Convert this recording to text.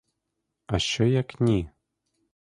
А що, як ні?